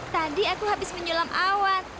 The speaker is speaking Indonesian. tadi aku habis menyulam awan